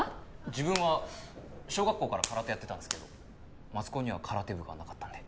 自分は小学校から空手やってたんですけど松高には空手部がなかったんで。